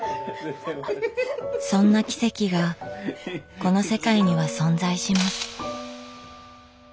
そんな奇跡がこの世界には存在します。